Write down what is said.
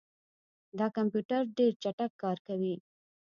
دا کمپیوټر ډېر چټک کار کوي.